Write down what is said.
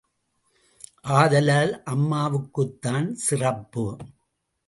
ஆதலால் அம்மாவுக்குத்தான் சிறப்பு.